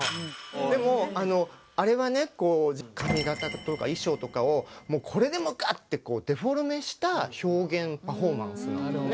でもあのあれはねこう髪型とか衣装とかをもうこれでもかってこうデフォルメした表現パフォーマンスなのね。